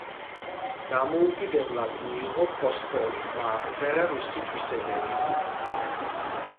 დამოუკიდებლად მიიღო ფოსფორი და აღწერა მისი თვისებები.